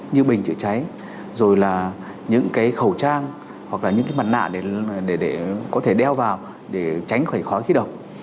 như bình chữa cháy rồi là những cái khẩu trang hoặc là những cái mặt nạ để có thể đeo vào để tránh khỏi khói khí độc